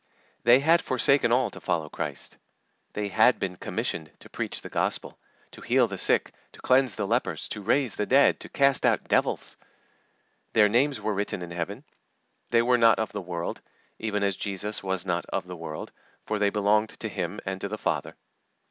They had forsaken all to follow Christ. They had been commissioned to preach the Gospel, to heal the sick, to cleanse the lepers, to raise the dead, to cast out devils. Their names were written in Heaven. They were not of the world, even as Jesus was not of the world, for they belonged to Him and to the Father.